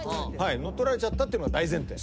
乗っ取られちゃったってのが大前提。